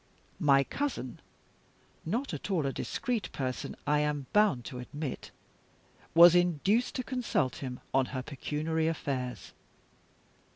My cousin (not at all a discreet person, I am bound to admit) was induced to consult him on her pecuniary affairs.